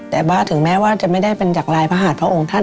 แต่ว่าถึงแม้ว่าจะไม่ได้เป็นจากลายพระหาดพระองค์ท่าน